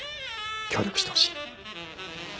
協力してほしい。